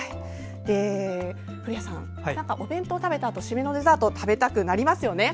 古谷さん、お弁当を食べたあと締めのデザート食べたくなりますよね。